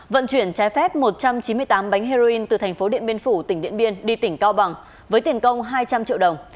vận chuyển trái phép một trăm chín mươi tám bánh heroin từ thành phố điện biên phủ tỉnh điện biên đi tỉnh cao bằng với tiền công hai trăm linh triệu đồng